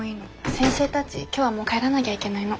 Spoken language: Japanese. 先生たち今日はもう帰らなぎゃいけないの。